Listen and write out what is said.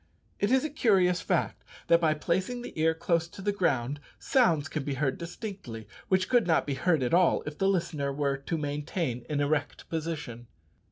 It is a curious fact that by placing the ear close to the ground sounds can be heard distinctly which could not be heard at all if the listener were to maintain an erect position.